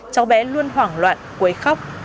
cháu bé luôn hoảng loạn quấy khóc